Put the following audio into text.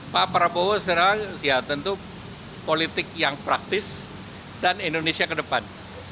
paprabowo serah tentu politik yang praktis dan indonesia kedepan